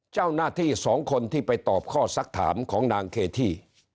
เจ้าหน้าที่สองคนที่ไปตอบข้อสักถามของนางเคที่